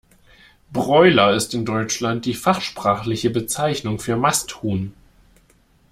Broiler ist in Deutschland die fachsprachliche Bezeichnung für Masthuhn.